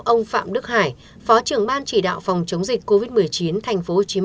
ông phạm đức hải phó trưởng ban chỉ đạo phòng chống dịch covid một mươi chín